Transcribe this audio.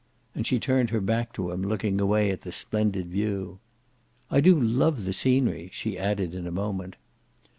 And she turned her back to him, looking away at the splendid view. "I do love the scenery," she added in a moment.